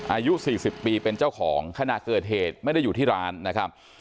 อายุ๔๐ปีเป็นเจ้าของขณะเกิดเหตุไม่ได้อยู่ที่ร้านนะครับ